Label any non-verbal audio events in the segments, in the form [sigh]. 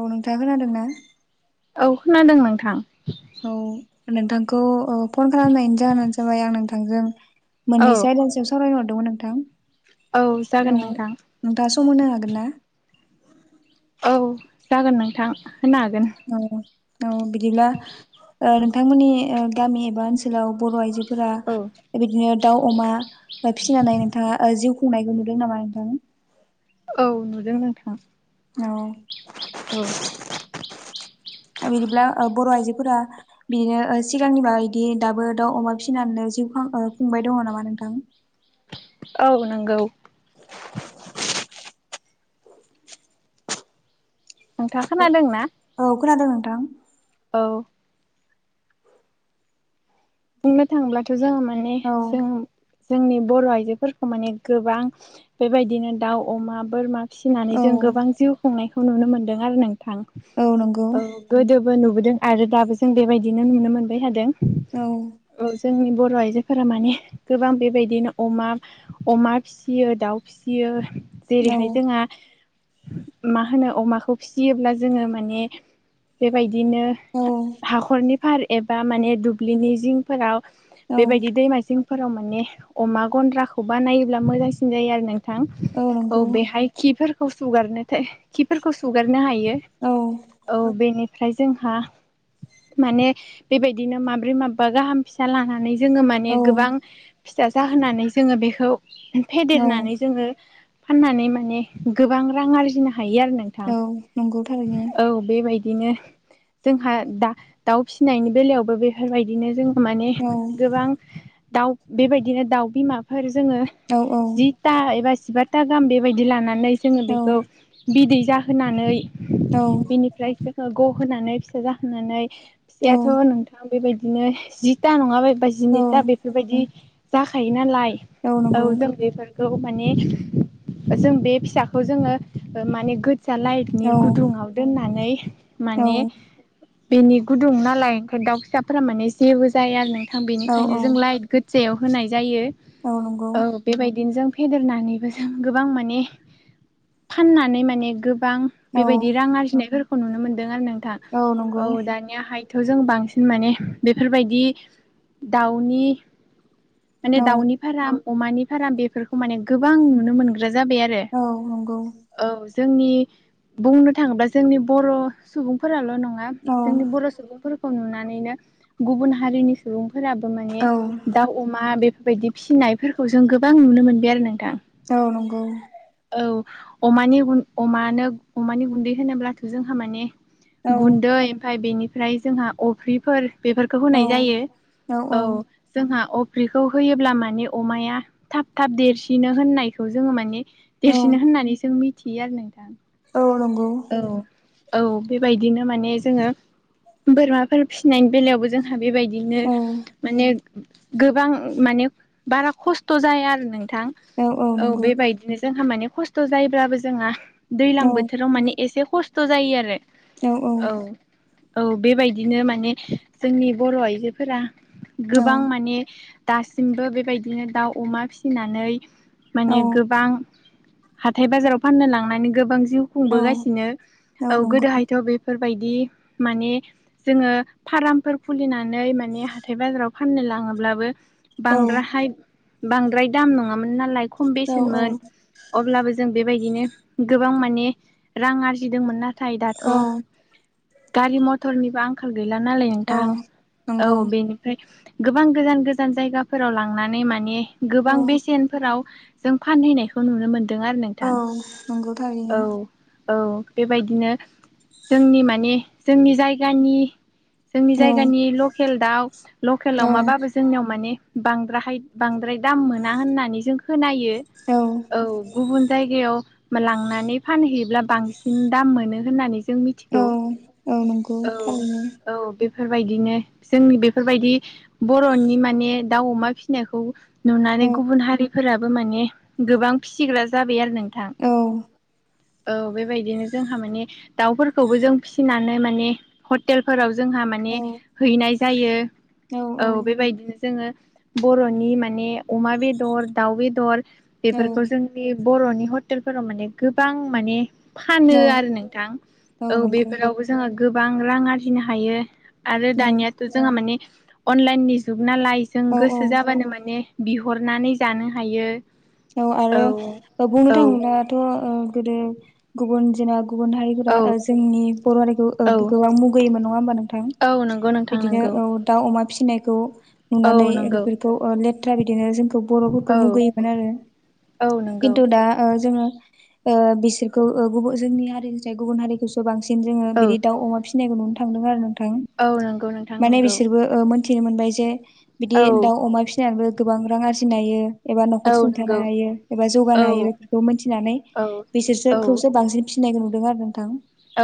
औ नोंथाङा खोनादों ना? औ खोनादों नोंथां। औ नोंथांखौ फन खालामनायनि जाहोनानो जाबाय आं नोंथांजों औ मोननैसो आयदानि सायाव सावरायनो हरदोंमोन औ नोंथां। जागोन औ नोंथां नोंथाङा सम होनो हागोन ना? औ जागोन नोंथां होनो हागोन। औ औ बिदिब्ला ओ नोंथांमोननि ओ गामि एबा ओनसोलाव बर' आइजो फोरा औ बिदिनो दाउ अमा फिसिनानै नोंथाङा जिउ खुंनायखौ नुदों नामा नोंथां? औ नुदों नोंथां। औ औ [inaudible] बिदिब्ला बर' आइजोफोरा बिदिनो सिगांनि बायदि दाबो दाउ अमा फिसिनानै जिउ खुंबाय दङ नामा नोंथां? औ नंगौ। नोंथाङा खोनाादोंंना? औ खोनादों नोंथां। औ बुंनो थाङोब्लाथ' जोङो माने औ जों जोंनि बर' आइजोफोरखौ माने गोबां बेबायदिनो दाउ अमा बोरमा औ फिसिनानै जों गोबां जिउ खुंनायखौ नुनो मोनदों आरो नोंथां औ गोदो बो नुबोदों आरो दाबो जों बेबायदिनो नुनो मोनबाय थादों। औ औ जोंनि बर' आइजोफोरा माने गोबां बेबायदिनो अमा अमा फिसियो दाउ फिसियो। औ जेरैहाय जोंहा। मा होनो अमाखौ फिसियोब्ला जोङो माने बेबाय दिनो औ हाखरनि फार एबा माने दुब्लिनि जिंफोराव औ बेबायदि दैमाजिंफोराव माने अमा गन्द्राखौ बानायोब्ला मोजांसिन जायो आरो नों थां औ बेहाय खिफोरखौ सुगारनो थाय खिफोरखौ सुगारनो हा रो औ औ बेनि फ्राय जोंहा माने बेबायदिनो माब्रै माबा गाहाम फिसा लानानै जोङो औ माने गोबां फिसा जाहोनानै जोङो बेखौ औ फेदेरनानै जोङो फाननानै माने गोबां रां आरजिनो हायो आरो नोंथां औ नंगौ थारैनो औ बेबाय दिनो जोंहा दा दाउ फिसिनायनि बेलायावबो बेफोरबायदिनो जों माने औ गोबां दाउ बेबायदिनो दाउ बिमाफोर जोङो औ औ जिथा एबा जिबा था गाहाम बेबायदि लानानै जोङो औ बेखौ बिदै जाहोनानै औ बिनिफ्राय बिसोरखौ ग'होनानै फिसा जाहोनानै औ फिसायाथ' नोंथां बेबायदिनो जिथा नङाबाय बा औ जिनैथा बेफोरबायदि जाखायो नालाय औ जों बेफोरखौ। माने जों बे फिसाखौ जोङो माने गोदजा औ लाइटनि गुदुङाव दोननानै औ माने बेनि गुदुं नालाय ओंखायनो दाउ फिसाफोरा माने जेबो जाया आरो नोंथां औ बेनिखायनो जों लाइट गोद जायाव होनाय जायो औ नंगौ औ बेबायदिनो जों फेदेरनानैबो जों गोबां माने फाननानै माने गो बां औ बेबायदि रां आरजिनायफोरखौ नुनो मोनदों आरो नोंथां औ दानियाहाय थ जों बांसिन माने बेफोरबायदि दाउनि माने दाउनि फार्म अमानि फार्म बेफोरखौ माने गोबां नुनो मोनगोन। ग्रा जाबाय आरो औ नंगौ औ। जोंनि बुंनो थाङोबा जोंनि बर' सुबुंफोराल' नं नङा औ जोंनि बर' सुबुंफोरखौ नुनानैनो गुबुन हारिनि सुबुं। फोराबो औ माने दाउ अमा बेफोरबायदि फिनायफोरखौ जों गोबां नुनो मोनबाय आरो नों औ नंगौ। अमानि गुन अमानो अमानि गुन्दै होनोब्लाथ' जोंहा माने औ गुन्दै ओमफाय बेनिफ्राय जोंहा अफ्रिफोर। बेफोरखौ औ होनाय जायो औ जोंहा‌ आब फुख्रिखौ होयोब्ला माने अमाया थाब थाब देरसिनो होननायखौ जोङो माने। देरसिनो होननानै जों मिथियो आरो नों औ नंगौ। औ बेबायदिनो माने जोङो बोरमाफोर फिसिनायनि बेलायावबो जोंहा। बेबायदिनो माने। गोबां माने बारा खस्थ' जाया आरो नों थां औ बेबायदिनो जोंहा माने खस्थ' जायोब्लाबो जोंहा। औ दैलां बोथोराव माने एसे खस्थ' जायो आरो। औ औ। औ बेबायदिनो माने जोंनि बर' आइजोफोरा औ गोबां माने दासिमबो बेबायदिनो दाउ अमा फिसिनानै औ माने गोबां हाथाय बाजाराव फाननो लांनानै गोबां जिउ औ खुंबोगासिनो औ नंगौ गोदोहायथ' बेफोर। बायदि माने जोङो फार्मफोर खुलिनानै माने हाथाय बाजाराव फाननो लाङोब्लाबो औ बांद्राहाय बांद्राय दाम नङामोन नालाय खम औ बेसेनमोन अब्लाबो जों बेबायदिनो गोबां माने रां आरजिदोंमोन नाथाय दाथ' औ गारि मथरनिबो आंखाल गैला नालाय औ नोंथां नंगौ औ बेनिफ्राय गोबां गोजान गोजान जायगाफोराव लांनानै माने गोबां औ बेसेनफोराव जों फानहैनायखौ नुनो मोनदों आरो औ नोंथां नंगौ औ। थारैनो औ बेबायदिनो जोंनि मानि जोंनि जायगानि जोंनि औ जायगानि लकेल दाउ लकेल औ अमाबाबो जोंनियाव माने बांद्राहायद बांद्राय दाम मोना होननानै जों खोनायो। औ गुबुन जायगायाव लांनानै फानहैयोब्ला बांसिन दाम मोनो होननानै ज जों औ मिथिगौ औ नंगौ थारैनो औ। औ बेफोरबायदिनो जोंनि बेफोरबायदि बर'नि माने दाउ अमा फिसिनायखौ औ नुनानै गुबुन हारिफोराबो माने गोबां फिसिग्रा जाबाय आरो नों थां। औ औ बेबायदिनो जोंहा माने दाउफोरखौबो जों फिसिनानै माने हटेलफोराव। जोंहा औ माने हैनाय जायो औ बेबायदिनो जोङो। बर'नि माने अमा बेदर दाउ बेदर बेफोरखौ जोंनि। बर'नि हटेलफोराव माने गोबां माने। फानो औ आरो नोंथां औ बेफोरावबो जोङो गोबां रां आरजिनो हायो। आरो औ दानियाथ' जोंहा माने अनलाइननि जुग नालाय जों औ गोसो जाबानो माने। बिहरनानै जानो हायो। औ आरो बुंनो औ थाङोब्लाथ' ओ गोदो गुबुन जेनेबा गुबुन हारिफोरा औ जोंनि बर' हारिखौ औ गोबां मुगैयोमोन नङा होमबा नोंथां? औ नंगौ नोंथां बिदिनो नंगौ औ दा अमा फिसिनाय खौ औ नुनानै नंगौ बेफोरखौ लेथ्रा बिदिनो जोंखौ बर'फोरखौ औ मुगैयोमोन आरो। औ नंगौ खिन्थु दा जोङो ओ बिसोरखौ गुबुन जोंनि हारिनिफ्राय गुबुन हारिखौसो बांसिन जोङो औ बिदि दाव अमा फिसि नंखायखौ नुनो थांदों आरो नोंथां औ नंगौ नोंथां माने नंगौ बिसोरबो ओ मिथिनो मोनबाय जे बिदि औ दाउ अमा फिसिनानैबो गोबां रां आरजिनाय हायो एबा औ नखर सुंथानो नंगौ हायो एबा जौगानो औ हायो बेफोरखौ मोनथिनानै औ बिसोरसो औ खौसो बांसिन सिनायखौ नुदों आरो नोंथां।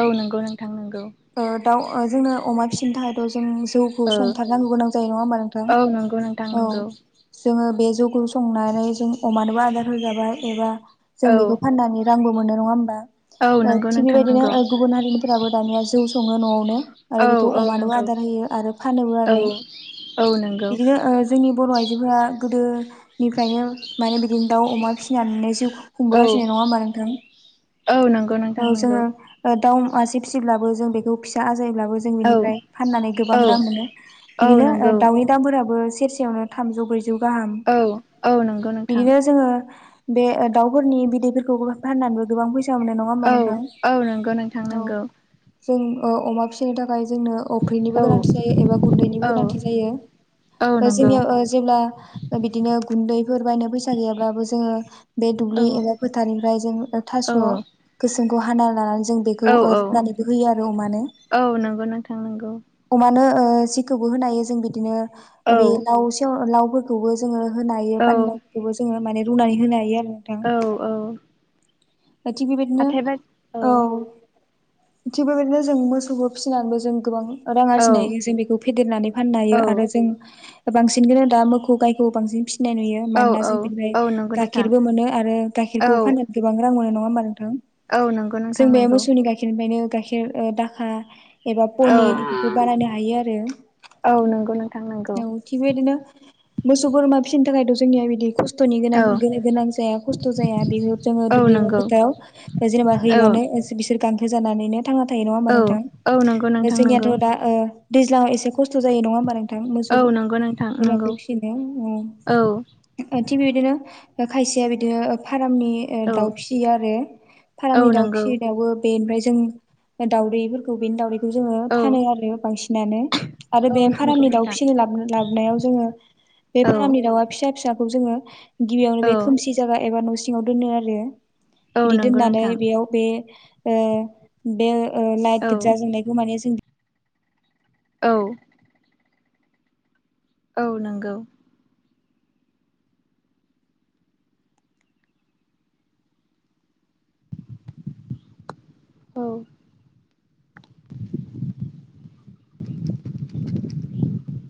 औ नंगौ नोंथां नंगौ। ओ दाउ ओ जोंनो अमा फिसिनो थाखायथ' जों जौखौ औ संथारनांगौ गोनां जायो नङा होमबा नोंथां औ नंगौ नोंथां औ नंगौ जोङो बे जौखौ संनानै जों अमानोबो आदार होजाबाय एबा जों औ बेखौ फाननानै रांबो मोनो नङा होमबा औ नंगौ थिग नोंथां बेबायदिनो नंगौ गुबुन हारिनिफोराबो दानिया जौ सङो न'आव आरो औ बेखौ औ अमानोबो नंगौ आदार होयो आरो फानोबो औ आरो। औ नंगौ बिदिनो ओ जोंनि बर' आइजोफोरा गोदोनिफ्रायनो माने बिदिनो दाउ अमा फिसिनानै जिउ औ खुंबोगासिनो नङा होमबा नोंथां औ नंगौ औ नोंथां नंगौ जोङो दाउ मासे फिसिब्लाबो जों बेखौ फिसा जायो जों औ बिनिफ्राम फाननानै गोबां औ रां मोनो औ बिदिनो नंगौ दाउनि दामफोराबो सेरसेयावनो थामौ ब्रैजौ गाहाम औ औ नंगौ नंगौ बिदिनो जोङो बे दाउफोरनि बिदैफोरखौ फाननानैबो गोबां फैसा मोनो नङा हबा औ नोंथां नंगौ नोंथां औ नंगौ जों अमा फिसिनो थाखाय जोंनो अफ्रिनिबो गोनांथि जायो एबा गुन्दैनिबो औ औ गोनांथि जायो। औ नंगौ जोंनियाव जेब्ला बिदिनो गुन्दैफोर बायनो फैसा गैयाब्लाबो जोङो बे दुब्लि औ एबा फोथारनिफ्राय जों थास' औ गोसोमखौ हाना लानानै जों बेखौ औ रुनानैबो होयो आरो अमानो औ नंगौ नोंथां नंगौ अमानो जिखौबो होनो हायो जों बिदिनो बे औ लाव सेव लावफोरखौबो जोङो होनो हायो पानि औ लाव माने रुनानै होनो हायो आरो। औ औ। थिग बेबायदिनो हाथाय बाज औ। थिग बेबायदिनो जों मोसौखौ फिसिनानैबो जों गोबां रां औ आरजिनाय जों बेखौ फेदेरनानै फाननो हायो औ आरो जों बांसिन गोनो दा मोखौ गायखौ बांसिन फिसिनाय नुयो औ मानोना। जों औ बेनिफ्राय औ नंगौ नोंथां गाइखेरबो मोनो आरो गाइखेरखौ औ फाननानै गोबां रां मोनो नङा होमबा नों थां औ नंगौ जों नोंथां बे नंगौ मोसौनि गाइखेरनिफ्रायनो गाइखेर दाखा एबा औ पनिर इफोरखौ बानायनो हायो आरो औ नंगौ नोंथां नंगौ औ थिग बेबायदिनो मोसौ बोरमा फिसिनो थाखायथ' जोंनिया बिदि खस्थ'नि गां औ गोनां जाया खस्थ' जाया बेखौ जोङो औ दुब्लि बा नंगौ फोथाराव जेनेबा औ हैबानो बिसोर गांसो जानानैनो थांना थायो नङा होनबा औ औ नंगौ नोंथां नोंथां नंगौ जोंनियाथ' दा दैज्लाङाव एसे खस्थ' जायो नङा होमबा नोंथां मोसौ औ नंगौ नोंथां नंगौ बोरमाखौ फिसिनो औ थिग बिदिनो खायसेया बिदिनो फारामनि औ दाउ फिसियो आरो औ फारामनि दाउ नंगौ फिसियो दाउबो बेनिफ्राय जों बा दाउदैफोरखौ बेनि दाउदै खौ जोङो औ फानो आरो बांसिनानो आरो औ बे नंगौ फारामनि दाउ नोंथां फिसिनो लाबोनायाव जोङो बे औ फारामनि दाउआ फिसा फिसाखौ जोङो गिबियावनो औ बे खोमसि जायागा एबा न सिङाव दोनो आरो औ बिदि नंगौ दोननानै नोंथां बेयाव बे बे लाइट औ गोजा जोंनायखौ माने जों औ। औ नंगौ। औ। [inaudible]